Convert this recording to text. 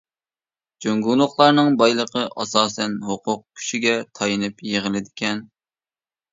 جۇڭگولۇقلارنىڭ بايلىقى ئاساسەن ھوقۇق كۈچىگە تايىنىپ يىغىلىدىكەن.